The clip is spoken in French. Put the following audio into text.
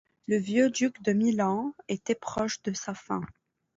Le vieux duc de Milan était proche de sa fin.